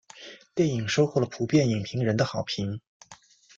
电影收获了普遍影评人的好评。